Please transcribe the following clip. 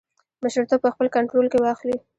مشرتوب په خپل کنټرول کې واخلي.